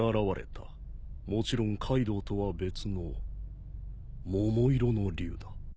もちろんカイドウとは別の桃色の龍だ。